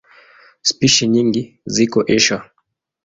Spishi nyingi ziko Asia.